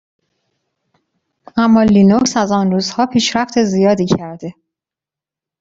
اما لینوکس از آن روزها پیشرفت زیادی کرده.